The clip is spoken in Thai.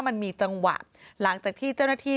มันมีจังหวะหลังจากที่เจ้าหน้าที่